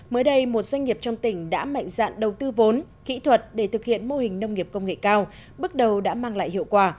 mới đây một doanh nghiệp trong tỉnh đã mạnh dạn đầu tư vốn kỹ thuật để thực hiện mô hình nông nghiệp công nghệ cao bước đầu đã mang lại hiệu quả